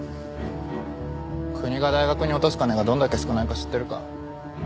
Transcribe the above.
国が大学に落とす金がどんだけ少ないか知ってるか？